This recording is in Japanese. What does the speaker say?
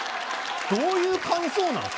どういう感想なん？